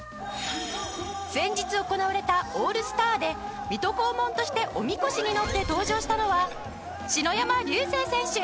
先日行われたオールスターで水戸黄門としておみこしに乗って登場したのは篠山竜青選手